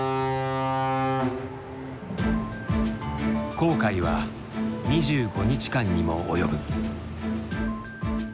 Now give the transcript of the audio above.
航海は２５日間にも及ぶ。